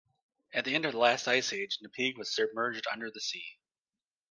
At the end of the last ice age, Napeague was submerged under the sea.